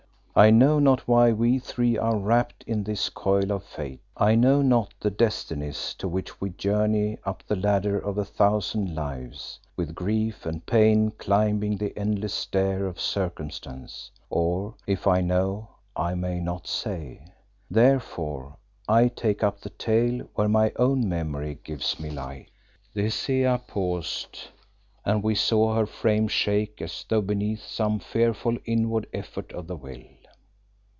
I know not why we three are wrapped in this coil of fate; I know not the destinies to which we journey up the ladder of a thousand lives, with grief and pain climbing the endless stair of circumstance, or, if I know, I may not say. Therefore I take up the tale where my own memory gives me light." The Hesea paused, and we saw her frame shake as though beneath some fearful inward effort of the will.